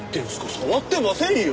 触ってませんよ！